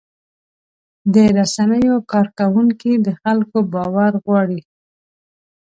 د رسنیو کارکوونکي د خلکو باور غواړي.